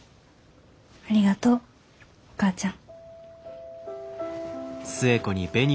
ありがとうお母ちゃん。